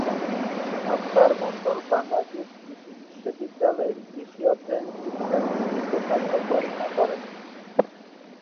সাত্তার মণ্ডল বাংলাদেশ কৃষি বিশ্ববিদ্যালয়ের কৃষি অর্থনীতি বিভাগে দীর্ঘকাল অধ্যাপনা করেন।